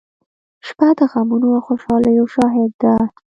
• شپه د غمونو او خوشالیو شاهد ده.